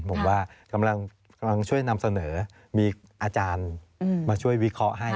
ผมว่ากำลังช่วยนำเสนอมีอาจารย์มาช่วยวิเคราะห์ให้